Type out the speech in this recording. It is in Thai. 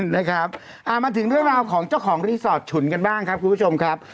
นะครับอ่ามาถึงเรื่องราวของเจ้าของรีสอร์ทฉุนกันบ้างครับคุณผู้ชมครับ